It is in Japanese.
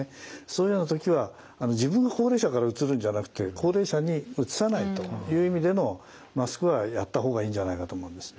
そういうような時は自分が高齢者からうつるんじゃなくて高齢者にうつさないという意味でのマスクはやった方がいいんじゃないかと思うんです。